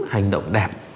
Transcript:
hành động đẹp